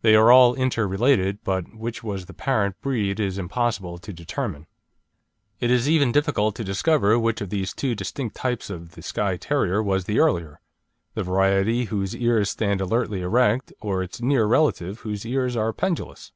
They are all inter related; but which was the parent breed it is impossible to determine. It is even difficult to discover which of the two distinct types of the Skye Terrier was the earlier the variety whose ears stand alertly erect or its near relative whose ears are pendulous.